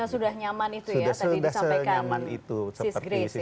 sudah nyaman itu ya tadi disampaikan sis grace ya